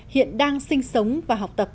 hiện đang sinh sống và học tập